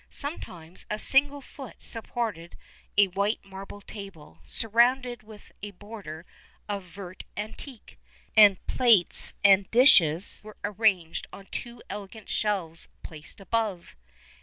[XXXI 15] Sometimes a single foot supported a white marble table, surrounded with a border of vert antique, and plates and dishes were arranged on two elegant shelves placed above.